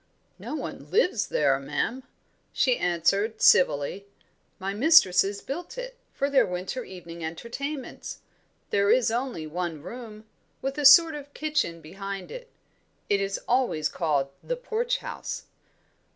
"No one lives there, ma'am," she answered, civilly. "My mistresses built it, for their winter evening entertainments. There is only one room, with a sort of kitchen behind it. It is always called the Porch House."